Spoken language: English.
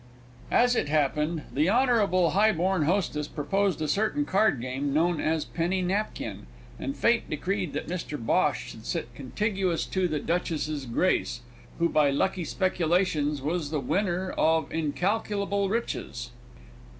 As it happened, the honourable highborn hostess proposed a certain cardgame known as "Penny Napkin," and fate decreed that Mr Bhosh should sit contiguous to the Duchess's Grace, who by lucky speculations was the winner of incalculable riches.